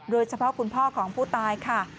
โดยเฉพาะคุณพ่อของผู้ตายค่ะ